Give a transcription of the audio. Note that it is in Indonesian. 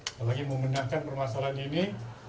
apalagi membenahkan permasalahan ini